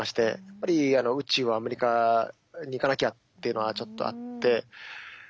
やっぱり宇宙はアメリカに行かなきゃっていうのはちょっとあって。